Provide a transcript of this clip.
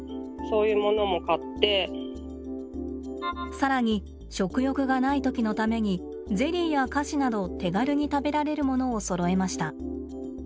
更に食欲がない時のためにゼリーや菓子など手軽に食べられるものをそろえました。